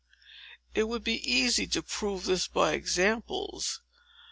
It would be easy to prove this by examples.